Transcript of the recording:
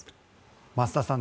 増田さん